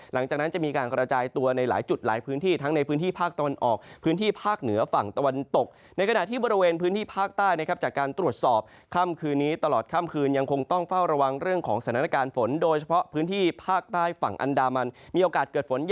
หลังจากนั้นจะมีการกระจายตัวในหลายจุดหลายพื้นที่ทั้งในพื้นที่ภาคตะวันออกพื้นที่ภาคเหนือฝั่งตะวันตกในขณะที่บริเวณพื้นที่ภาคใต้นะครับจากการตรวจสอบค่ำคืนนี้ตลอดค่ำคืนยังคงต้องเฝ้าระวังเรื่องของสถานการณ์ฝนโดยเฉพาะพื้นที่ภาคใต้ฝั่งอันดามันมีโอกาสเกิดฝน